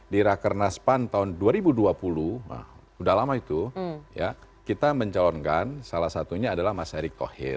di rakernas pan tahun dua ribu dua puluh sudah lama itu kita mencalonkan salah satunya adalah mas erick thohir